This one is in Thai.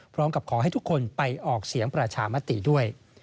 พร้อมกับขอให้ทุกคนไปออกเสียงประชามติด้วย